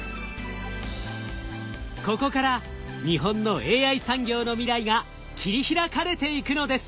ここから日本のＡＩ産業の未来が切り開かれていくのです。